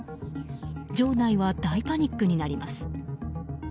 場内は大パニックになります。